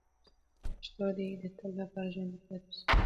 پښتو دې د تل لپاره ژوندۍ پاتې شي.